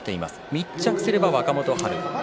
密着すれば若元春。